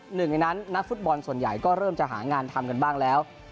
หนึ่งในนั้นนักฟุตบอลส่วนใหญ่ก็เริ่มจะหางานทำกันบ้างแล้ว